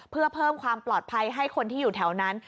เพื่อเพิ่มความปลอดภัยให้คนที่อยู่แถวนั้น